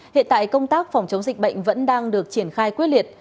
hiện tại công tác phòng chống dịch bệnh vẫn đang được triển khai quyết liệt